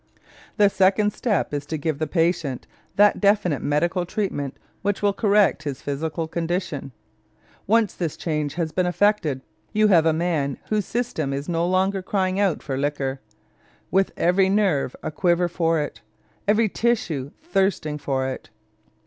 The second step is to give the patient that definite medical treatment which will correct his physical condition. Once this change has been effected, you have a man whose system is no longer crying out for liquor, with every nerve a quiver for it, every tissue thirsting for it.